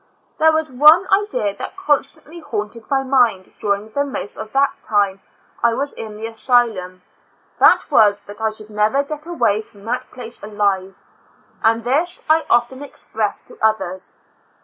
There was one idea that constantly haunted my mind during the most of the time that I was in the asylum : that was, that I should never get away from that place alive, and this I often expressed to others.